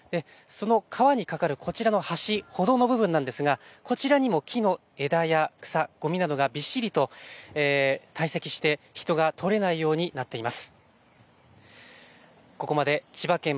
その川に架かるこちらの橋、歩道の部分なんですがこちらにも木の枝や草、ごみなどがびっしりと堆積して人が通れないようになっています。